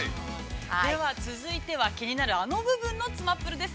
◆では続いては、気になるあの部分のつまぷるです。